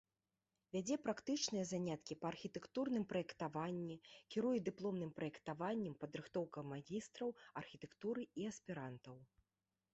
Вядзе практычныя заняткі па архітэктурным праектаванні, кіруе дыпломным праектаваннем, падрыхтоўкай магістраў архітэктуры і аспірантаў.